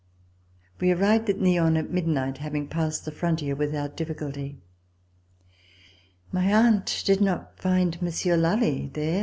We arrived at Nyon at midnight after having passed the frontier without difficulty. My aunt did not find Monsieur Lally there.